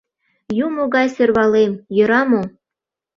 Юмо гай сӧрвалем, йӧра мо?